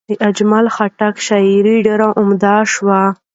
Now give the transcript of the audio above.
د اجمل خټک شاعري ډېر عامه شوه.